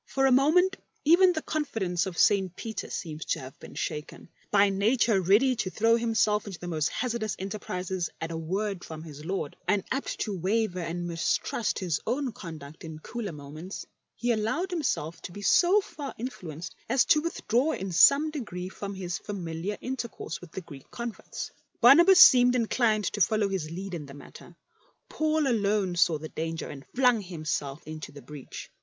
For a moment even the confidence of St. Peter seems to have been shaken. By nature 52 LIFE OF ST. FALL ready to throw himself into the most hazard ous enterprises at a word from his Lord, and apt to waver and mistrust his own conduct in cooler moments^ he allowed himself to be so far influenced as to withdraw in some degree from his familiar intercourse with the Greek converts. Barnabas seemed inclined to follow his lead in the matter; Paul alone saw the danger and flung himself into the breach.